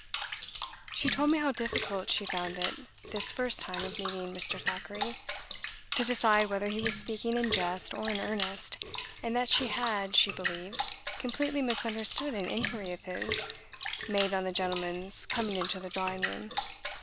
She told me how difficult she found it, this first time of meeting Mr. Thackeray, to decide whether he was speaking in jest or in earnest, and that she had (she believed) completely misunderstood an inquiry of his, made on the gentlemen's coming into the drawing room.